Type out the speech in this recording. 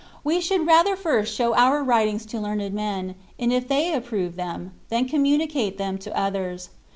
We should rather first show our writings to learned men; and if they approve them, then communicate them to others.